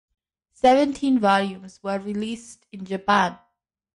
Seventeen volumes were released in Japan.